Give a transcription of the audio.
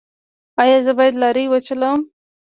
ایا زه باید لارۍ وچلوم؟